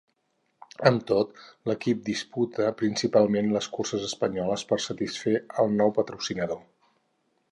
Amb tot, l'equip disputa principalment les curses espanyoles per satisfer el nou patrocinador.